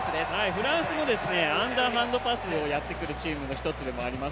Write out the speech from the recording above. フランスもアンダーハンドパスをやってくるチームの１つでもあります。